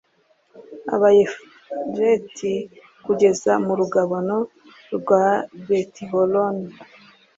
abayafuleti kugeza mu rugabano rwa betihoroni